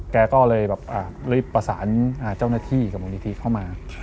แกก็เลยแบบรีบประสานเจ้าหน้าที่กับมูลนิธิเข้ามา